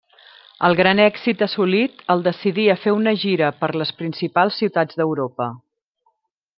El gran èxit assolit el decidí a fer una gira per les principals ciutats d'Europa.